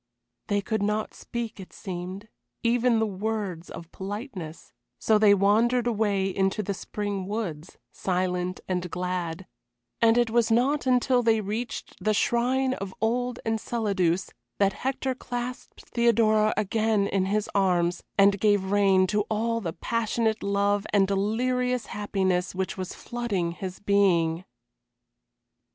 They could not speak, it seemed, even the words of politeness; so they wandered away into the spring woods, silent and glad; and it was not until they reached the shrine of old Enceladus that Hector clasped Theodora again in his arms, and gave rein to all the passionate love and delirious happiness which was flooding his being.